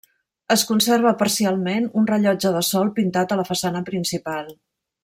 Es conserva parcialment un rellotge de sol pintat a la façana principal.